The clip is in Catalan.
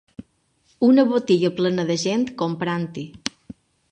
Una botiga plena de gent comprant-hi.